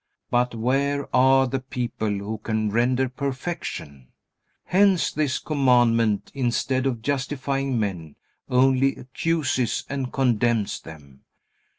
But where are the people who can render perfection? Hence, this commandment, instead of justifying men, only accuses and condemns them.